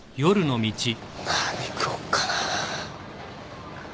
何食おっかなぁ。